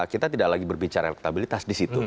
kita tidak lagi berbicara elektabilitas disitu